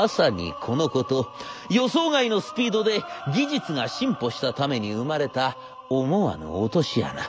予想外のスピードで技術が進歩したために生まれた思わぬ落とし穴。